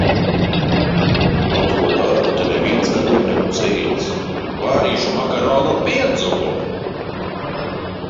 Kaut ko tādu te neviens gadiem nebūs ēdis. Vārīšu makaronu pienzupu.